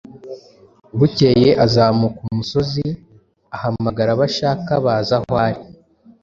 Bukeye azamuka umusozi, ahamagara abo ashaka, baza aho ari.